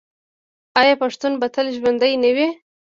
آیا پښتون به تل ژوندی نه وي؟